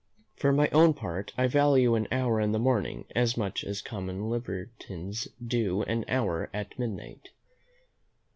For my own part, I value an hour in the morning as much as common libertines do an hour at midnight.